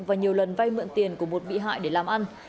và nhiều lần vay mượn tiền của một bị hại để làm ăn